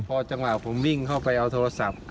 พอจังหวะผมวิ่งเข้าไปเอาโทรศัพท์